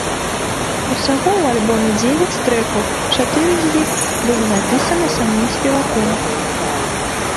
Усяго ў альбоме дзевяць трэкаў, чатыры з іх былі напісаны самім спеваком.